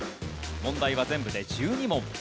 問題は全部で１２問。